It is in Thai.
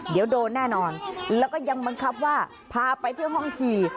เดี๋ยวโดนแน่นอนแล้วก็ยังบังคับว่าพาไปเที่ยวห้องที